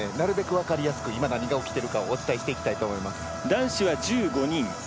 皆さんになるべく分かりやすく今何が起きてるかをお伝えしていきたいと思います。